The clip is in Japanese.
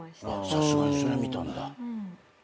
さすがにそれは見たんだ。